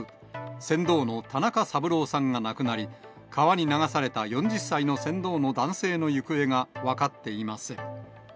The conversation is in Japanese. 船頭の田中三郎さんが亡くなり、川に流された４０歳の船頭の男性の行方が分かっていません。